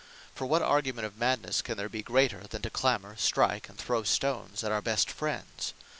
For what argument of Madnesse can there be greater, than to clamour, strike, and throw stones at our best friends?